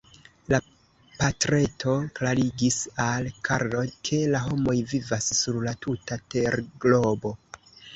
La patreto klarigis al Karlo, ke la homoj vivas sur la tuta terglobo.